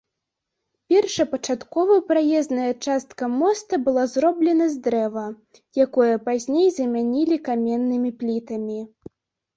Першапачаткова праезная частка моста была зроблена з дрэва, якое пазней замянілі каменнымі плітамі.